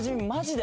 で